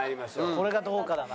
これがどうかだな。